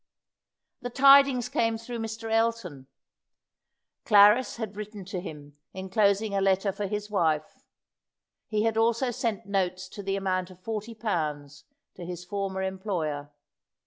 The tidings came through Mr. Elton. Clarris had written to him, enclosing a letter for his wife. He had also sent notes to the amount of forty pounds to his former employer.